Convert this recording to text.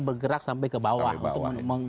bergerak sampai ke bawah untuk